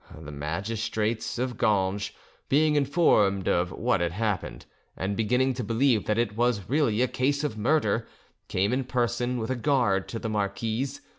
The magistrates of Ganges, being informed of what had happened, and beginning to believe that it was really a case of murder, came in person, with a guard, to the marquise.